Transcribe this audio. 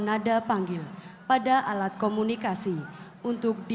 cinta ikhlas ku penuh